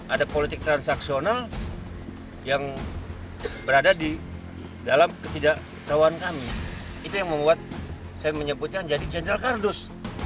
ada politik transaksional yang berada di dalam ketidaktahuan kami itu yang membuat saya menyebutnya jadi general kardus